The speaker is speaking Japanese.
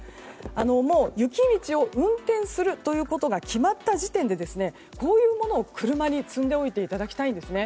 もう雪道を運転するということが決まった時点でこういうものを車に積んでおいていただきたいんです。